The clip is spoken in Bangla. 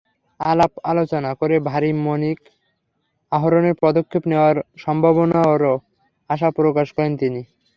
আলাপ-আলোচনা করে ভারী মনিক আহরণের পদক্ষেপ নেওয়ার সম্ভাবনারও আশা প্রকাশ করেন তিনি।